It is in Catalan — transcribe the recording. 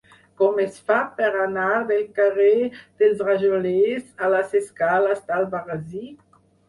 Com es fa per anar del carrer dels Rajolers a les escales d'Albarrasí?